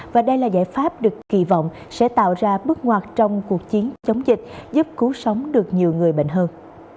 và đây là giải pháp được kỳ vọng sẽ tạo ra bước ngoặt trong cuộc chiến chống dịch giúp cứu sống được nhiều người bệnh hơn